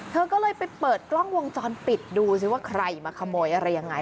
เธอก็เลยไปเปิดกล้องวงจรปิดดูสิว่าใครมาขโมยอะไรยังไง